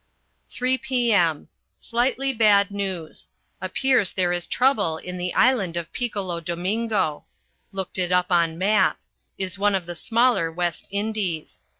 3 p.m. Slightly bad news. Appears there is trouble in the Island of Piccolo Domingo. Looked it up on map. Is one of the smaller West Indies.